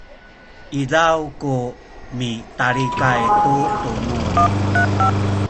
izaw ku mitalikay tu tunuz